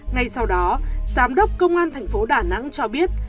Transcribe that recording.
ngay sau đó giám đốc công an thành phố đà nẵng cho biết